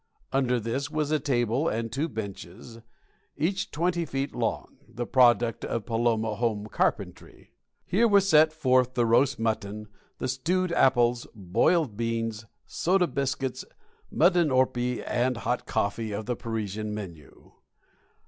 Under this was a table and two benches, each twenty feet long, the product of Paloma home carpentry. Here was set forth the roast mutton, the stewed apples, boiled beans, soda biscuits, puddinorpie, and hot coffee of the Parisian menu.